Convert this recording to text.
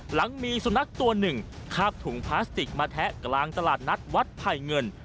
หลังมีสุนัขตัวหนึ่งคาบถุงพลาสติกมาแทะกลางตลาดนัดวัดไผ่เงิน